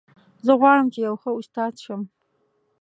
زه غواړم چې یو ښه استاد شم